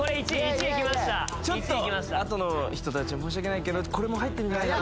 あとの人達申し訳ないけどこれも入ってんじゃないかな